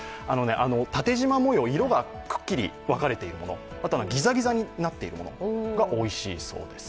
縦縞模様、色がくっきり分かれているもの、あとギザギザになっているものがおいしいそうです。